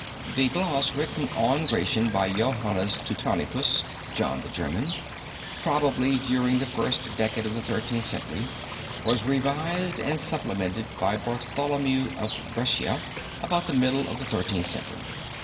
The gloss written on Gratian by Joannes Teutonicus (John the German), probably during the first decade of the Thirteenth Century, was revised and supplemented by Bartholomew of Brescia about the middle of the Thirteenth Century.